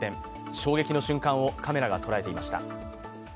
衝撃の瞬間をカメラが捉えていました。